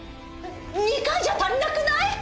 ２回じゃ足りなくない？